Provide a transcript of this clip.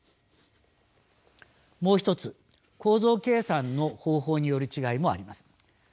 もう一つ構造計算の方法による違いもあります。